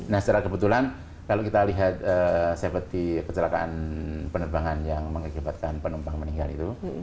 nah secara kebetulan kalau kita lihat tujuh puluh kecelakaan penerbangan yang mengakibatkan penumpang meninggal itu